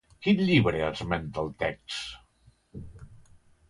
Quin llibre esmenta el text?